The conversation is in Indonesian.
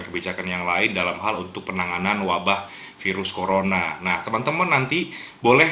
kebijakan yang lain dalam hal untuk penanganan wabah virus corona nah teman teman nanti boleh